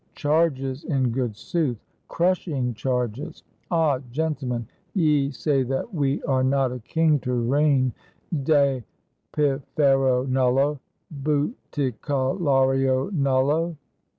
Charges, in good sooth! crushing charges! Ah, gentlemen, ye say that we are not a king to reign dapifero nullo, huticalario nullo